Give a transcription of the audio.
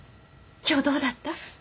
今日どうだった？